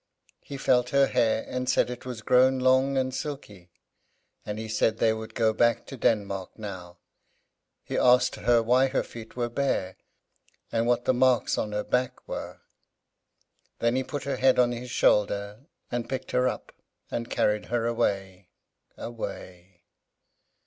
He felt her hair, and said it was grown long and silky, and he said they would go back to Denmark now. He asked her why her feet were bare, and what the marks on her back were. Then he put her head on his shoulder, and picked her up, and carried her away, away!